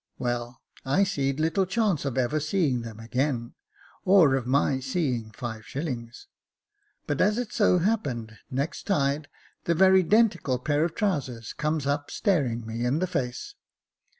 Well, I seed little chance of ever seeing them again, or of my seeing five shillings, but as it so happened next tide, the very 'denticle pair of trousers comes up staring me in the face.